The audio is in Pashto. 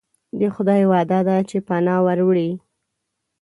د خدای وعده ده چې پناه وروړي.